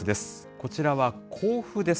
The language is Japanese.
こちらは甲府です。